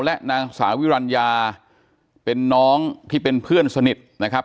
และนางสาวิรัญญาเป็นน้องที่เป็นเพื่อนสนิทนะครับ